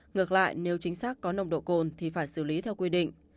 ngược lại nếu chính xác có nồng độ cồn thì phải xử lý theo quy định